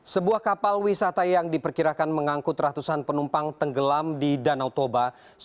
sebuah kapal wisata yang diperkirakan mengangkut ratusan penumpang tenggelam di danau toba